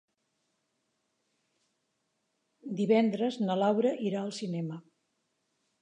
Divendres na Laura irà al cinema.